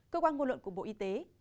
cơ quan nguồn luận của bộ y tế